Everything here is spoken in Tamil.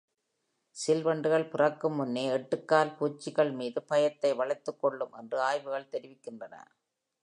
சிள் வண்டுகள் பிறக்கும் முன்னே எட்டுக்கால் பூச்சிகள் மீது பயத்தை வளர்த்துக் கொள்ளும் என்று ஆய்வுகள் தெரிவிக்கின்றன.